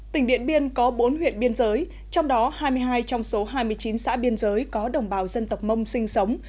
tỉnh điện biên có bốn huyện biên giới trong đó hai mươi hai trong số hai mươi chín xã biên giới có đồng bào dân tộc mông sinh sống